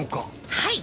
はい。